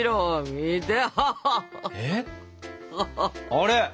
あれ？